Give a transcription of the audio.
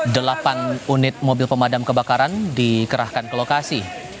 delapan unit mobil pemadam kebakaran dikerahkan ke lokasi